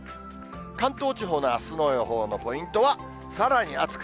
関東地方のあすの予報のポイントは、さらに暑く。